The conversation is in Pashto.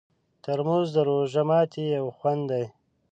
ترموز د روژه ماتي یو خوند دی.